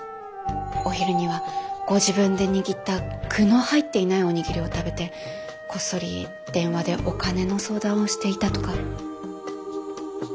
お昼にはご自分で握った具の入っていないおにぎりを食べてこっそり電話でお金の相談をしていたとか。